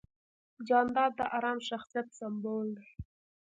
جانداد د ارام شخصیت سمبول دی.